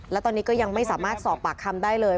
แล้วตอนนี้ก็ยังไม่สามารถสอบปากคำได้เลย